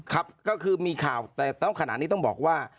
ครับก็คือมีข่าวแต่ขณะนี้ต้องบอกว่า